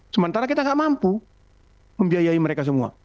sementara kita tidak mampu membiayai mereka semua